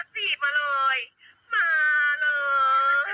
โทรมาปลบเลยได้เลยได้สมัคร